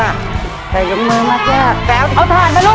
เอาถัดไปร่วงดูดเร็ว